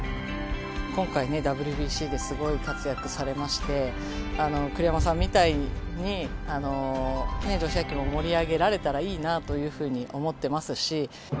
今回ね、ＷＢＣですごい活躍されまして、栗山さんみたいに女子野球も盛り上げられたらいいなというふうに思ってますし。